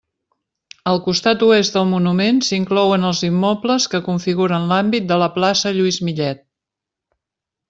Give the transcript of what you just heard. Al costat oest del monument s'inclouen els immobles que configuren l'àmbit de la plaça Lluís Millet.